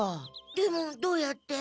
でもどうやって？